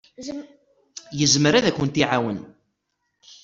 Yezmer ad kent-iɛawen.